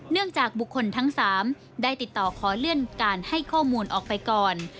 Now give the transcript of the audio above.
จากบุคคลทั้ง๓ได้ติดต่อขอเลื่อนการให้ข้อมูลออกไปก่อน